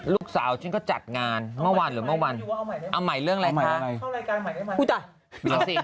ลูกสาวฉันก็จัดงานเมื่อวานหรือเมื่อวันเอาใหม่เรื่องอะไรคะ